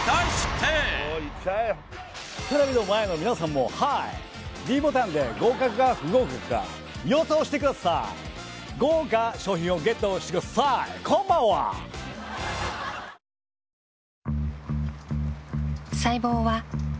テレビの前の皆さんもｄボタンで合格か不合格か予想してくださーい豪華賞品をＧＥＴしてくださーい果たして？